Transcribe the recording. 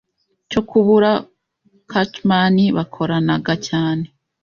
cyo kubura Kacaman bakoranaga cyane